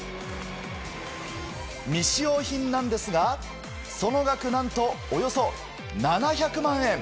未使用品なんですがその額、何とおよそ７００万円！